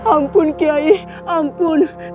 ampun kiyai ampun